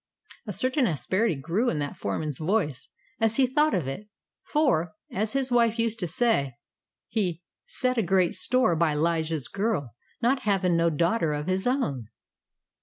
A certain asperity grew in the foreman's voice as he thought of it; for, as his wife used to say, he "set a great store by 'Lije's girl, not havin' no daughter of his own."